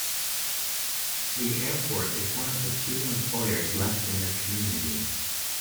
The airport is one of the few employers left in the community.